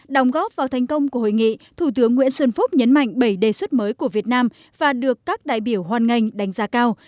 đồng góp vào thành công của hội nghị thủ tướng nguyễn xuân phúc nhấn mạnh bảy đề xuất mới của việt nam và được các đại biểu hoàn ngành đánh giá cao